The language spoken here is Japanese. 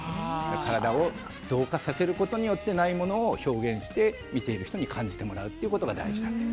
同化することによってないものを表現して見ている人に感じてもらうことが大事なんです。